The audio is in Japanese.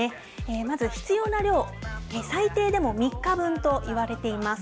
まず、必要な量、最低でも３日分といわれています。